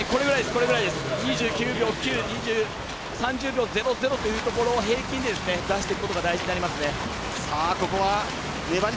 ２９秒９３０秒００というところを平均で出していくことが大事になりますね。